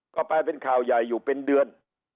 ก็กลายเป็นข่าวใหญ่อยู่เป็นเดือน